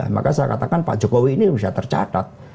maka saya katakan pak jokowi ini bisa tercatat